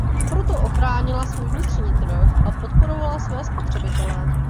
Proto chránila svůj vnitřní trh a podporovala své spotřebitele.